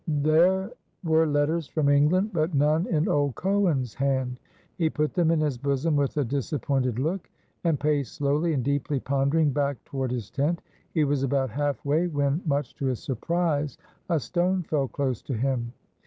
There were letters from England, but none in old Cohen's hand. He put them in his bosom with a disappointed look, and paced slowly, and deeply pondering, back toward his tent. He was about half way, when, much to his surprise, a stone fell close to him.